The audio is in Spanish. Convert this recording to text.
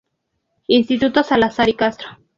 Instituto Salazar y Castro.